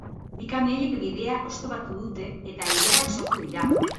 Bi kamioiek bidea oztopatu dute eta ilarak sortu dira.